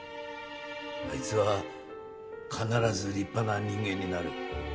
あいつは必ず立派な人間になる。